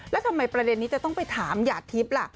แล้วทำไมประเด็นนี้จะต้องไปถามหยาดทิพย์ล่ะ